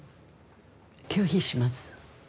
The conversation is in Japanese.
拒否します。